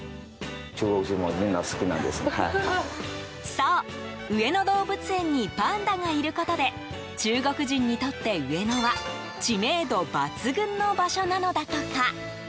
そう、上野動物園にパンダがいることで中国人にとって、上野は知名度抜群の場所なのだとか。